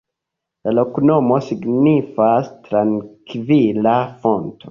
La loknomo signifas: "trankvila fonto".